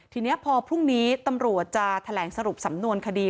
ทีนี้พอพรุ่งนี้ตำรวจจะแถลงสรุปสำนวนคดี